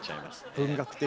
文学的。